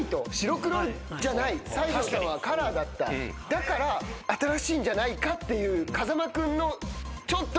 だから新しいんじゃないかっていう。